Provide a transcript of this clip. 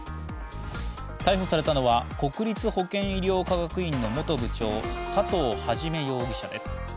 逮捕されたのは国立保健医療科学院の元部長、佐藤元容疑者です。